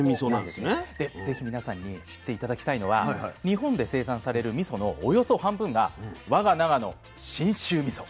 で是非皆さんに知って頂きたいのは日本で生産されるみそのおよそ半分が我が長野信州みそ。